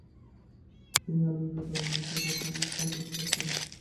তিনি আরবি ব্যাকরণ বিষয়ে প্রাথমিক গ্রন্থাদি পাঠ করেন।